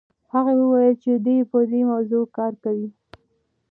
هغه وویل چې دی په دې موضوع کار کوي.